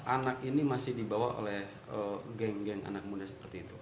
anak ini masih dibawa oleh geng geng anak muda seperti itu